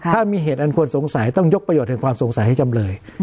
ถ้ามีเหตุอันควรสงสัยต้องยกประโยชน์แห่งความสงสัยให้จำเลย